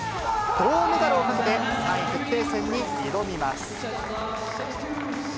銅メダルをかけて、３位決定戦に挑みます。